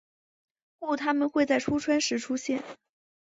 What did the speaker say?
故它们会在初春时出现。